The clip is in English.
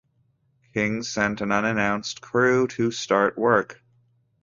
King sent an unannounced crew to start work.